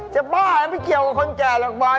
บ้าไม่เกี่ยวกับคนแก่หรอกบ้าน